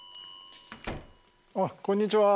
ああこんにちは。